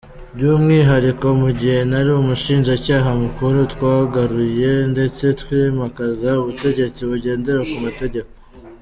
"By'umwihariko, mu gihe nari umushinjacyaha mukuru, twagaruye ndetse twimakaza ubutegetsi bugendera ku mategeko".